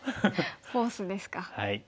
フォースですか。